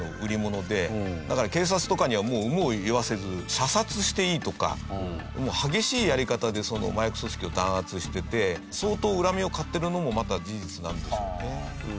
だから警察とかにはもう有無を言わせず射殺していいとかもう激しいやり方で麻薬組織を弾圧していて相当恨みを買ってるのもまた事実なんですよね。